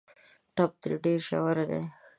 ټپ دي ډېر ژور دی .